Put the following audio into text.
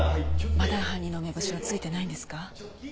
まだ犯人の目星はついてないんですか？